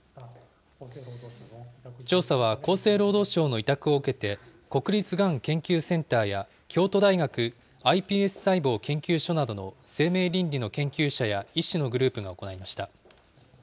調査は厚生労働省の委託を受けて、国立がん研究センターや、京都大学ｉＰＳ細胞研究所などの生命倫理の研究者や医師のグループが行いました。